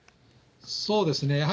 そうですね。